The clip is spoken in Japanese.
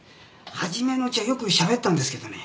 初めのうちはよくしゃべったんですけどね。